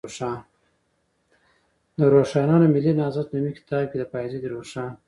د روښانیانو ملي نهضت نومي کتاب کې، د بایزید روښان